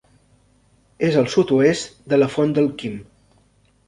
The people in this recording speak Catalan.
És al sud-oest de la Font del Quim.